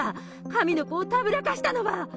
神の子をたぶらかしたのは！